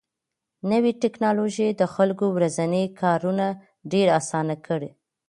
نوې ټکنالوژي د خلکو ورځني کارونه ډېر اسانه کړي